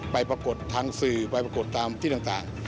ปรากฏทางสื่อไปปรากฏตามที่ต่าง